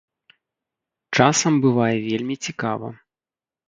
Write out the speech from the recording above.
Часам бывае вельмі цікава!